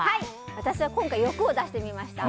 私は今回、欲を出してみました。